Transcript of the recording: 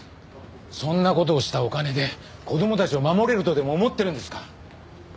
そんな事をしたお金で子どもたちを守れるとでも思ってるんですか？